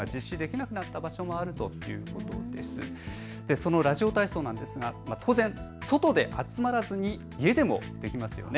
そのラジオ体操ですが当然、外で集まらずに家でもできますよね。